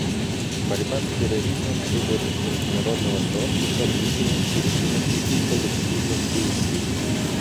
Борьба с терроризмом требует от международного сообщества бдительности, решимости и коллективных действий.